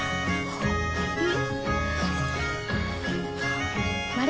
うん？